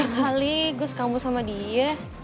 sekali gue sekampus sama dia